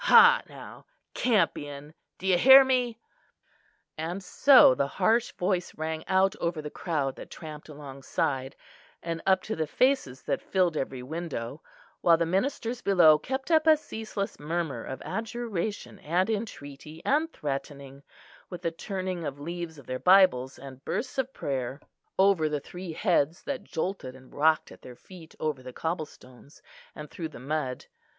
Ha, now! Campion, do you hear me?" And so the harsh voice rang out over the crowd that tramped alongside, and up to the faces that filled every window; while the ministers below kept up a ceaseless murmur of adjuration and entreaty and threatening, with a turning of leaves of their bibles, and bursts of prayer, over the three heads that jolted and rocked at their feet over the cobblestones and through the mud.